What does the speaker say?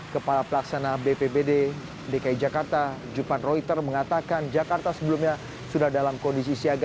kepala pelaksana bpbd dki jakarta jupan router mengatakan jakarta sebelumnya sudah dalam kondisi siaga